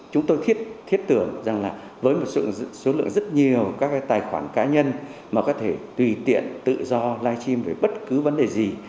chúng tôi thiết tưởng rằng là với một số lượng rất nhiều các cái tài khoản cá nhân mà có thể tùy tiện tự do live stream về bất cứ vấn đề gì